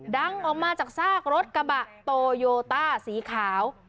ดังออกมาจากซากรถกระบะโตโยต้าสีขาว